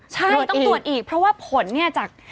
ใช่ต้องตรวจอีกเพราะว่าผลเนี่ยจาก